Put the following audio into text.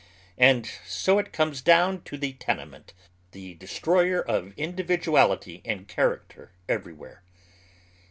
And so it comes down to the tenement, the destroyer o£ individuality and character everywhere.